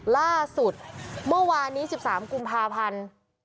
ล่าสุดเมื่อวานนี้๑๓กุมภาพันธ์